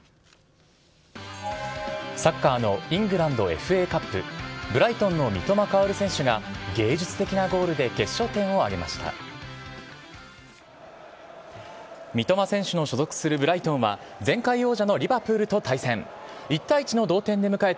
サッカーのイングランドＦＡカップ・ブライトンの三笘薫選手が、芸術的なゴールで決勝点を挙げました。